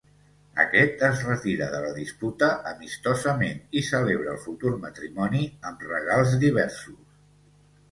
Aquest es retira de la disputa amistosament i celebra el futur matrimoni amb regals diversos.